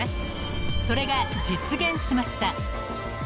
［それが実現しました］